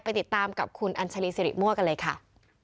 ติดตามกับคุณอัญชาลีสิริมั่วกันเลยค่ะ